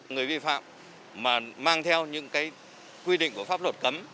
người vi phạm mà mang theo những cái quy định của pháp luật cấm